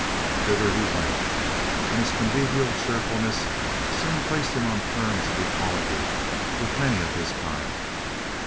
Thither he went, and his convivial cheerfulness soon placed him on terms of equality with many of his kind.